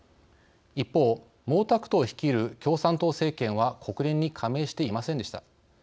一方、毛沢東率いる共産党政権は国連に加盟していませんでした。